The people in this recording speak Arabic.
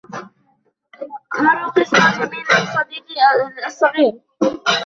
ارو قصة جميلة لصديقي الصغير.